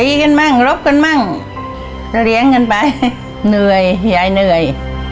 ตีกันบ้างรบกันบ้างเรียงกันไปเหนื่อยยายเหนื่อย